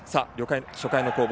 初回の攻防